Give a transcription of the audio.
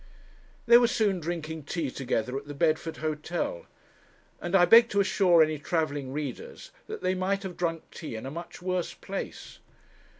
They were soon drinking tea together at the Bedford Hotel, and I beg to assure any travelling readers that they might have drunk tea in a much worse place.